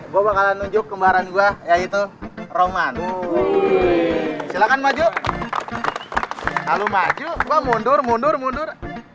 gua bakalan nunjuk kembaran gua yaitu roman silakan maju lalu maju gua mundur mundur mundur